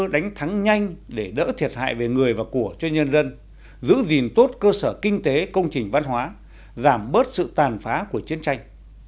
đánh thắng nhanh để đỡ thiệt hại về người và của cho nhân dân giữ gìn tốt cơ sở kinh tế công trình văn hóa giảm bớt sự tàn phá của chiến tranh